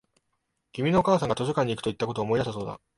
君のお母さんが図書館に行くと言ったことを思い出したそうだ